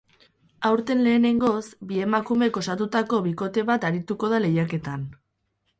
Aurten lehenengoz, bi emakumek osatutako bikote bat arituko da lehiaketan.